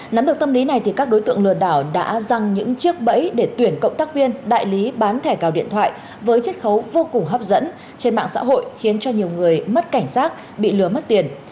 nắm được tâm lý này thì các đối tượng lừa đảo đã răng những chiếc bẫy để tuyển cộng tác viên đại lý bán thẻ cào điện thoại với chất khấu vô cùng hấp dẫn trên mạng xã hội khiến cho nhiều người mất cảnh giác bị lừa mất tiền